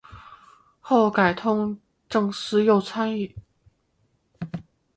后改通政司右参议。